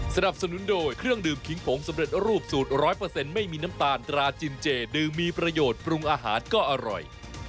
สนับสนุนโดยเครื่องดื่มขิงผงสำเร็จรูปสูตร๑๐๐ไม่มีน้ำตาลตราจินเจดื่มมีประโยชน์ปรุงอาหารก็อร่อย